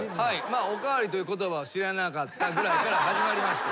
「お代わりという言葉を知らなかった」ぐらいから始まりました。